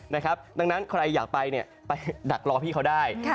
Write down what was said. ดังนั้นใครอยากไปไปดักรอพี่เขาได้